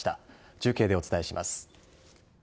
中継でお伝えします。